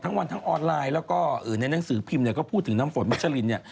วันทั้งออนไลน์แล้วก็ในหนังสือพิมพ์เนี่ยก็พูดถึงน้ำฝนวัชลินเนี่ย